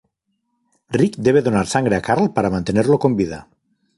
Rick debe donar sangre a Carl para mantenerlo con vida.